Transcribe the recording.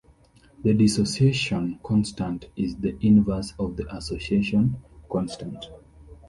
The dissociation constant is the inverse of the association constant.